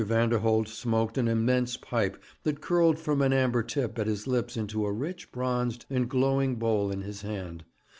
Vanderholt smoked an immense pipe that curled from an amber tip at his lips into a richly bronzed and glowing bowl in his hand.